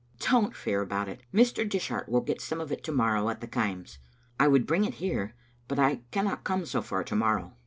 "" Don't fear about it. Mr. Dishaft will get some of it to morrow at the Kaims. I would bring it here, but I cannot come so far to morrow."